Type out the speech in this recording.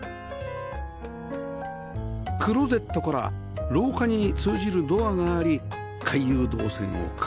クローゼットから廊下に通じるドアがあり回遊動線を確保